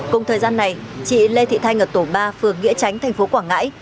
cùng thời gian này chị lê thị thanh ở tổ ba phường nghĩa tránh thành phố quảng ngãi